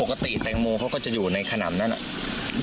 แตงโมเขาก็จะอยู่ในขนำนั้นอะ